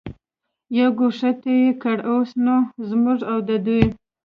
یوې ګوښې ته یې کړ، اوس نو زموږ او د دوی.